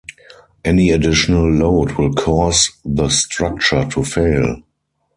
Any additional load will cause the structure to fail.